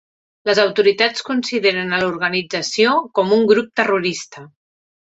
Les autoritats consideren a l'organització com a un grup terrorista.